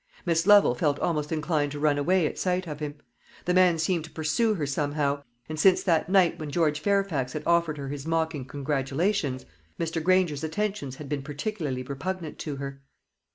Miss Lovel felt almost inclined to ran away at sight of him. The man seemed to pursue her somehow; and since that night when George Fairfax had offered her his mocking congratulations, Mr. Granger's attentions had been particularly repugnant to her.